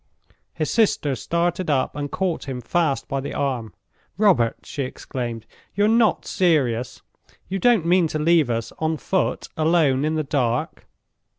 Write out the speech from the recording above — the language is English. His sister started up, and caught him fast by the arm. "Robert!" she exclaimed; "you're not serious? You don't mean to leave us on foot, alone in the dark?"